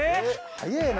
早えぇな。